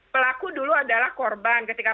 pelaku dulu adalah korban ketika